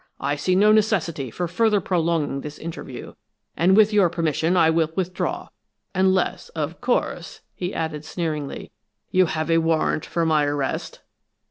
I see no necessity for further prolonging this interview, and with your permission I will withdraw unless, of course," he added, sneeringly, "you have a warrant for my arrest?"